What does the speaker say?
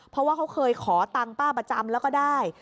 เพราะว่าเขาเคยขอตังค์ป้าประจำแล้วก็ได้